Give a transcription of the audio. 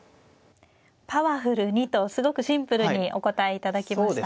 パワフルにとすごくシンプルにお答え頂きました。